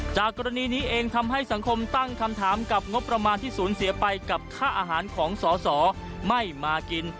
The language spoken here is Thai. จากกรณีนี้เองทำให้สังคมตั้งคำถามกับงบประมาณที่สูญเสียไปกับค่าอาหารของสอสอไม่มากิน